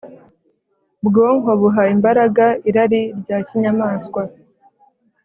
bwonko buha imbaraga irari rya kinyamaswa